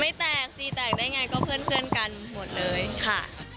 แตกซีแตกได้ไงก็เพื่อนกันหมดเลยค่ะ